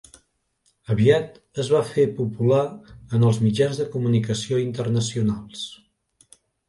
Aviat es va fer popular en els mitjans de comunicació internacionals.